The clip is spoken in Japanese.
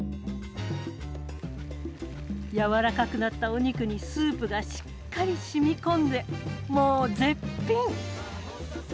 軟らかくなったお肉にスープがしっかりしみこんでもう絶品。